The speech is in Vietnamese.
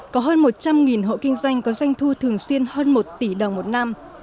có hơn một trăm linh hộ kinh doanh có doanh thu thường xuyên hơn một tỷ đồng một năm